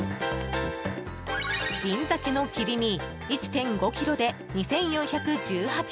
銀鮭の切り身１．５ｋｇで２４１８円。